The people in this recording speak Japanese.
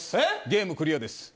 ゲームクリアです。